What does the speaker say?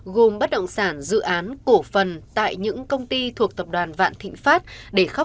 gồm bất động sản dự án cổ phần tại những công ty thuộc tập đoàn vạn thịnh pháp